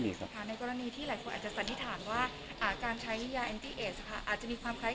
หรือว่าเป็นเรื่องของกรณ์ไกลค่ะ